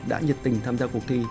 đã nhiệt tình tham gia cuộc thi